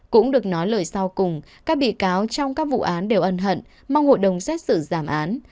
cũng được nói lời sau cùng các bị cáo trong các vụ án đều ân hận mong hội đồng xét xử giảm án